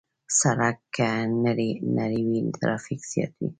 سړک که نری وي، ترافیک زیات وي.